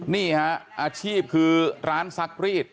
นี่ฮะอาชีพคือร้านซักรีด